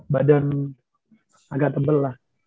badan agak tebel lah